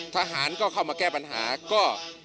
ทหารก็เข้ามาแก้ปัญหาก็